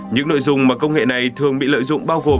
những nội dung mà công nghệ này thường bị lợi dụng bao gồm